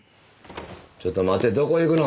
ちょっと待てどこ行くの。